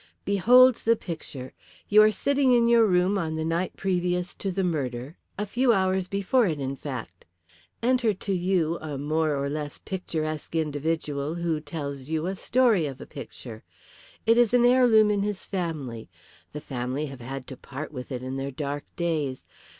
Behold the picture! You are sitting in your room on the night previous to the murder a few hours before it in fact. Enter to you a more or less picturesque individual who tells you a story of a picture. It is an heirloom in his family. The family have had to part with it in their dark days.